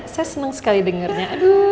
saya senang sekali dengernya